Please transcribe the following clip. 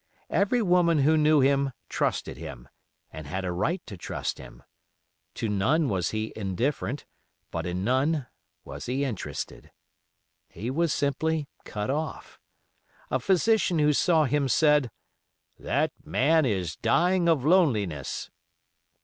Every woman who knew him trusted him, and had a right to trust him. To none was he indifferent, but in none was he interested. He was simply cut off. A physician who saw him said, "That man is dying of loneliness."